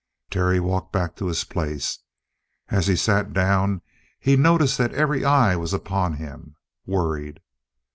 Terry walked back to his place. As he sat down, he noticed that every eye was upon him, worried.